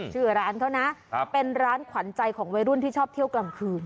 ชื่อร้านเขานะเป็นร้านขวัญใจของวัยรุ่นที่ชอบเที่ยวกลางคืน